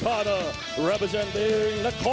สร้างการที่กระทะนัก